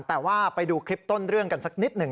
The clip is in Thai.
แต่ว่าไปดูคลิปต้นเรื่องกันสักนิดหนึ่ง